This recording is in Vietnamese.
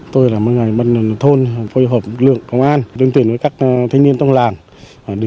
tôi là một người vây mượn trong làng ai có vây mượn chắc cũng vây lại